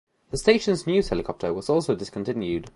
The station's news helicopter was also discontinued.